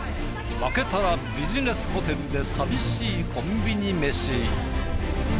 負けたらビジネスホテルで寂しいコンビニ飯。